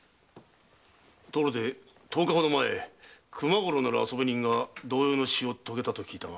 ところで十日ほど前熊五郎なる遊び人が同様の死を遂げたと聞いたが。